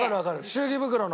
祝儀袋の。